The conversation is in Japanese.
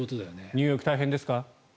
ニューヨーク大変ですか？